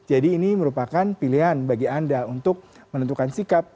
jadi ini merupakan pilihan bagi anda untuk menentukan sikap